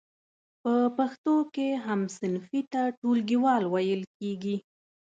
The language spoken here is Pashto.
په پښتو کې هم صنفي ته ټولګیوال ویل کیږی.